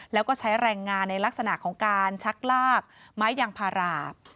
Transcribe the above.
แล้วก็ใช้แรงงานในลักษณะของการชักลากไม้ยางพารา